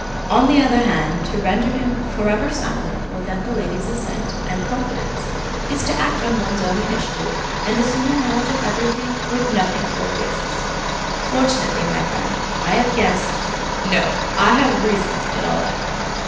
On the other hand, to render him forever silent without the lady's assent and confidence is to act on one's own initiative and assumes a knowledge of everything with nothing for a basis. Fortunately, my friend, I have guessed, no, I have reasoned it all out.